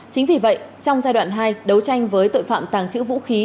chính vì vậy trong giai đoạn hai đấu tranh với tội phạm tàng trữ vũ khí